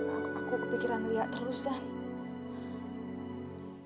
aku kepikiran liat terus zan